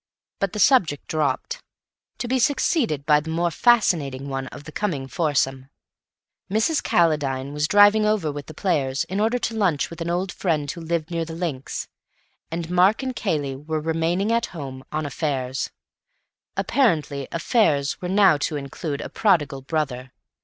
But the subject dropped, to be succeeded by the more fascinating one of the coming foursome. Mrs. Calladine was driving over with the players in order to lunch with an old friend who lived near the links, and Mark and Cayley were remaining at home—on affairs. Apparently "affairs" were now to include a prodigal brother.